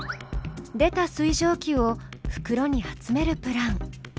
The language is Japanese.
出た水蒸気をふくろに集めるプラン。